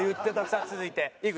さあ続いて井口。